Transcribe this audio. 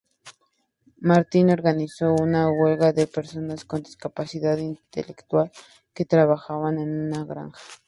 Martin organizó una huelga de personas con discapacidad intelectual que trabajaban en una granja.